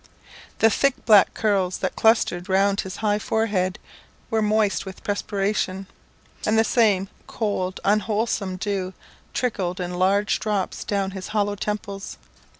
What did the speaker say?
The thick black curls that clustered round his high forehead were moist with perspiration, and the same cold unwholesome dew trickled in large drops down his hollow temples.